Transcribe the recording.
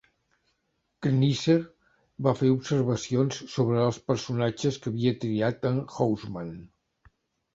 Knister va fer observacions sobre els personatges que havia triat en Housman.